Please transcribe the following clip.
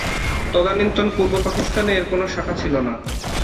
তদানীন্তন পূর্বপাকিস্তানে এর কোনো শাখা ছিল না।